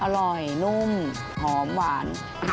อร่อยนุ่มหอมหวาน